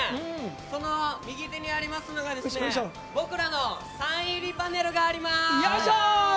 その右手にありますのがですね、僕らのサイン入りパネルがありまよいしょ！